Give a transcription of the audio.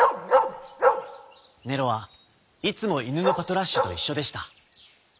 ネロはいつもいぬのパトラッシュといっしょでした。